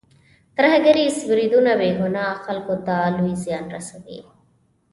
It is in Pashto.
ترهګریز بریدونه بې ګناه خلکو ته لوی زیان رسوي.